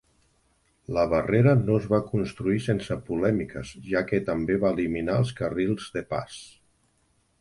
La barrera no es va construir sense polèmiques, ja que també va eliminar els carrils de pas.